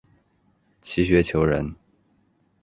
齐学裘人。